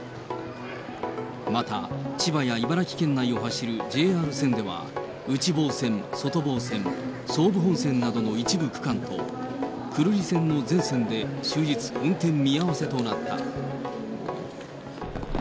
また、千葉や茨城県内を走るＪＲ線では、内房線、外房線、総武本線などの一部区間と久留里線の全線で終日運転見合わせとなった。